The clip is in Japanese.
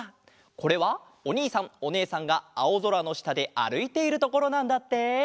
これはおにいさんおねえさんがあおぞらのしたであるいているところなんだって。